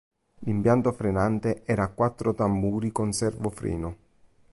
L'impianto frenante era a quattro tamburi con servofreno.